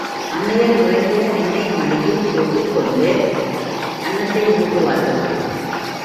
அன்னயார், உறங்கிய என்னை மடியில் போட்டுக்கொண்டு அன்னத்தை ஊட்டுவார்கள்.